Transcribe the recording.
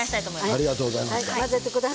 ありがとうございます。